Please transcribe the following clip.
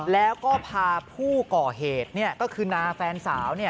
แล้วก็พาผู้ก่อเหตุก็คือนาแฟนสาว